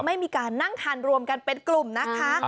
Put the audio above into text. ไม่มีการนั่งทานรวมกันเป็นกลุ่มนะคะ